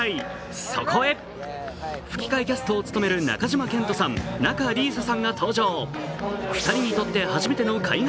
そこへ吹き替えキャストを務める中島健人さん、仲里依紗さんが登場２人にとって初めての海外